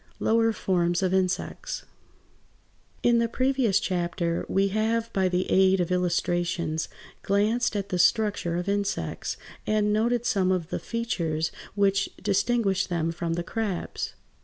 LOWER FORMS OF INSECTS In the previous chapter we have by the aid of illustrations glanced at the structure of insects, and noted some of the features which distinguished them from the crabs.